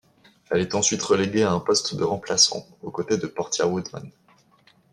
Elle est ensuite releguée à un poste de remplaçant aux côtés de Portia Woodman.